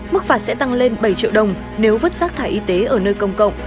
mức phạt sẽ tăng lên bảy triệu đồng nếu vứt rác thải y tế ở nơi công cộng